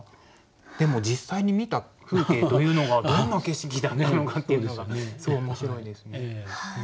でも実際に見た風景というのがどんな景色だったのかっていうのがすごい面白いですね。